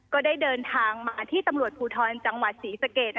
ก็ได้เดินทางมาที่ตำรวจภูทรจังหวัดศรีสะเกด